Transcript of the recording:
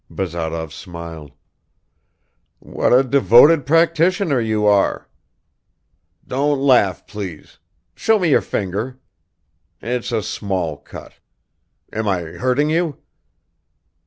Bazarov smiled. "What a devoted practitioner you are!" "Don't laugh, please. Show me your finger. It's a small cut. Am I hurting you?"